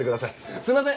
すみません。